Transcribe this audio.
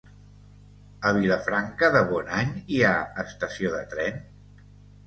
A Vilafranca de Bonany hi ha estació de tren?